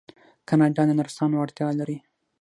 کاناډا د نرسانو اړتیا لري.